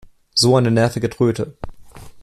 So eine nervige Tröte!